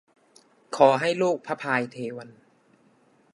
ขอให้ลูกพระพายเทวัญ